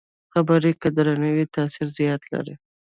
خبرې که درنې وي، تاثیر زیات لري